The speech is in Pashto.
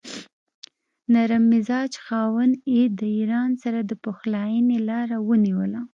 نرم مزاج خاوند یې د ایران سره د پخلاینې لاره ونیوله.